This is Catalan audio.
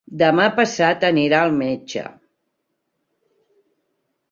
Demà passat anirà al metge.